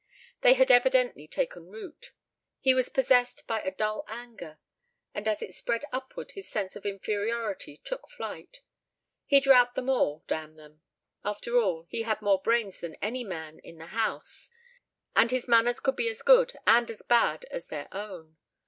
They had evidently taken root. He was possessed by a dull anger, and as it spread upward his sense of inferiority took flight. He'd rout them all, damn them. After all he had more brains than any man in the house and his manners could be as good and as bad as their own.